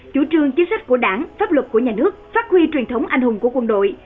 chủ trương chính sách của đảng pháp luật của nhà nước phát huy truyền thống anh hùng của quân đội